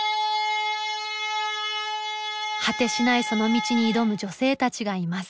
果てしないその道に挑む女性たちがいます。